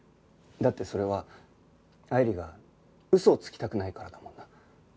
だってそれは愛理が嘘をつきたくないからだもんな。